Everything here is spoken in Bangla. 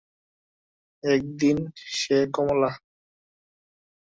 একদিন সে- কমলা।